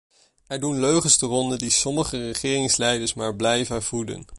Er doen leugens de ronde die sommige regeringsleiders maar blijven voeden.